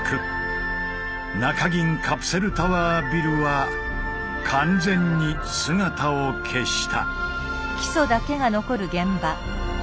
カプセルタワービルは完全に姿を消した。